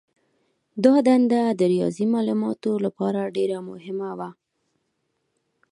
دا دنده د ریاضي مالوماتو لپاره ډېره مهمه وه.